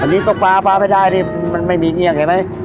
นี้ตกปลาปลาไม่ได้ไม่มีเครื่องได้ไหม